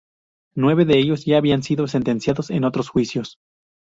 Nueve de ellos ya habían sido sentenciados en otros juicios.